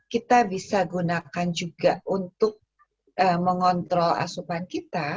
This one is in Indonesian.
kita bisa gunakan juga untuk mengontrol asupan kita